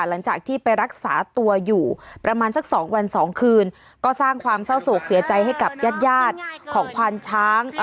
หลังจากที่ไปรักษาตัวอยู่ประมาณสัก๒วัน๒คืนก็สร้างความเศร้าโศกเสียใจให้กับญาติยาดของควานช้าง